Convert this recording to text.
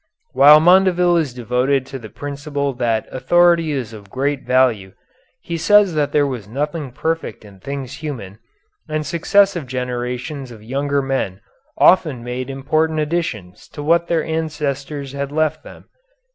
While Mondeville is devoted to the principle that authority is of great value, he said that there was nothing perfect in things human, and successive generations of younger men often made important additions to what their ancestors had left them.